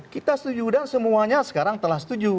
kita setuju dan semuanya sekarang telah setuju